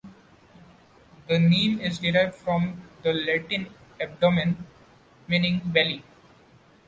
The name is derived from the Latin "abdomen", meaning belly.